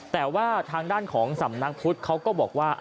แต่ว่าทางด้านของสำนักพุทธเขาก็บอกว่า